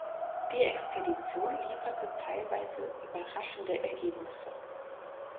Die Expedition lieferte teilweise überraschende Ergebnisse.